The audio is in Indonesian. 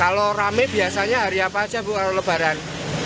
kalau rame biasanya hari apa aja bu kalau lebaran